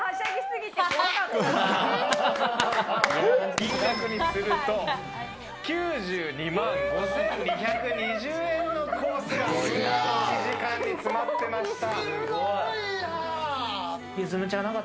金額にすると９２万５２２０円のコースが１時間に詰まってました。